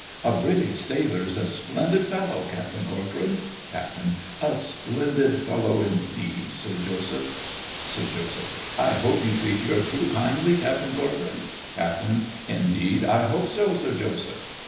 A British sailor is a splendid fellow, Captain Corcoran. CAPT. A splendid fellow indeed, Sir Joseph. SIR JOSEPH. I hope you treat your crew kindly, Captain Corcoran. CAPT. Indeed I hope so, Sir Joseph.